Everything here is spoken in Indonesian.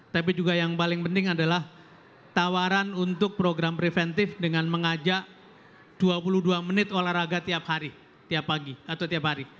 tapi juga yang paling penting adalah tawaran untuk program preventif dengan mengajak dua puluh dua menit olahraga tiap hari tiap pagi atau tiap hari